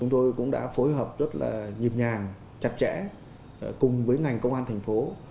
tôi cũng đã phối hợp rất là nhịp nhàng chặt chẽ cùng với ngành công an thành phố